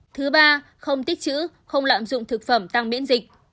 thứ ba không tích chữ không lặm dụng thực phẩm tăng biễn dịch